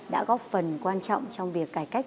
đã góp phần quan trọng trong việc cải cách